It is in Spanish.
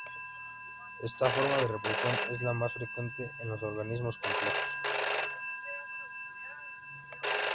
Esta forma de reproducción es la más frecuente en los organismos complejos.